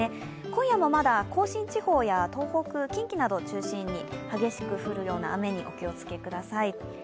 今夜もまだ甲信地方や東北、近畿などを中心に激しく降るような雨にお気をつけください。